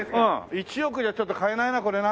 １億じゃちょっと買えないなこれな。